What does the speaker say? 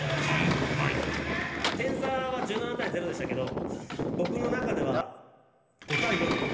点差は１７対０でしたけど